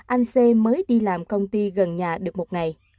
anh xê mới đi làm công ty gần nhà được một ngày